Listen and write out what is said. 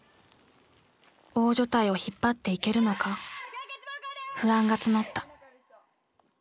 大所帯を引っ張っていけるのか不安が募った。